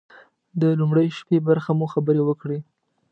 د لومړۍ شپې برخه مو خبرې وکړې.